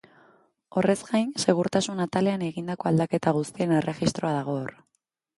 Horrez gain, segurtasun atalean egindako aldaketa guztien erregistroa dago hor.